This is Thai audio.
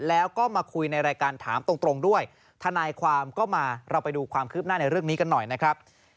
แล้วก็มาคุยในรายการถามตรงด้วยทนายความก็มาเราไปดูความคืบหน้าในเรื่องนี้กันหน่อยนะครับ